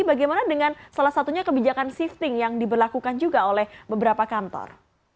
bagaimana dengan salah satunya kebijakan shifting yang diberlakukan juga oleh beberapa kantor